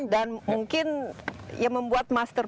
dan mungkin ya membuat master